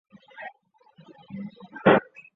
通常在样品处透射的激发光是反射光的千百倍。